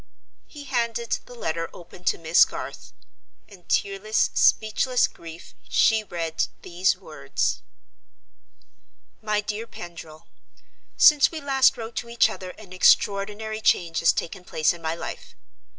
He handed the letter open to Miss Garth. In tearless, speechless grief, she read these words: "MY DEAR PENDRIL—Since we last wrote to each other an extraordinary change has taken place in my life.